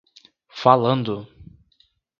Falando!